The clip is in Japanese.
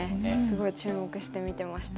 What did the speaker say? すごい注目して見てました。